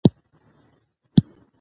خدمت د لاسرسي د برابر اصل غوښتنه کوي.